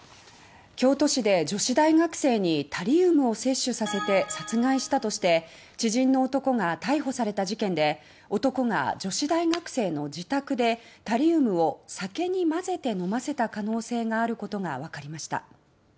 京都市で女子大学生にタリウムを摂取させて殺害したとして知人の男が逮捕された事件で男が女子大学生の自宅でタリウムを酒に混ぜて飲ませた可能性があることがわかりました。